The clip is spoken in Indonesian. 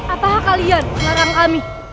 apakah kalian larang kami